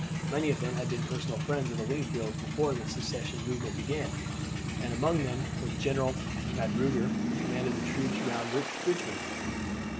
Many of them had been personal friends of the Wingfields before the Secession movement began, and among them was General Magruder, who commanded the troops round Richmond.